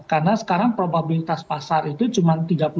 karena sekarang probabilitas pasar itu cuma tiga puluh enam